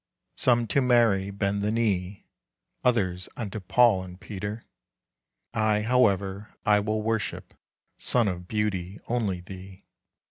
Some to Mary bend the knee, Others unto Paul and Peter, I, however, I will worship, Sun of beauty, only thee.